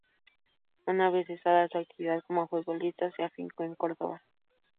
Una vez cesada su actividad como futbolista se afincó en Córdoba.